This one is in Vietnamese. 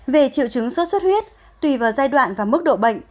về triệu chứng suốt suốt huyết tùy vào giai đoạn và mức độ bệnh